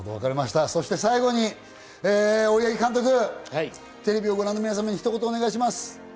最後に大八木監督、テレビをご覧の皆様にひと言お願いします。